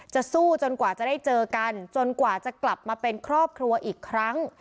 สู้จนกว่าจะได้เจอกันจนกว่าจะกลับมาเป็นครอบครัวอีกครั้ง